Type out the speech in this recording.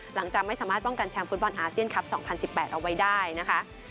หลังจากไม่สามารถป้องกันแชมป์ฟุตบอลอาเซียนคลับ๒๐๑๘เอาไว้ได้นะคะ